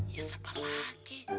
ya siapa lagi